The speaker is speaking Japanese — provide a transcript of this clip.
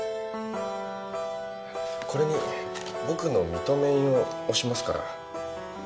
これに僕の認め印を押しますから。